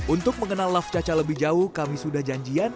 untuk mengenal laf caca lebih jauh kami sudah janjian